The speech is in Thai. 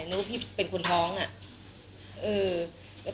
นึกว่าพี่เป็นคนท้องอะ